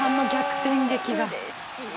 うれしい。